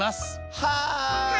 はい！